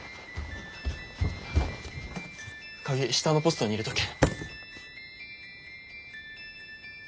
鍵下のポストに入れとけ。